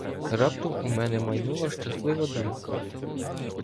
Раптом у мене майнула щаслива думка.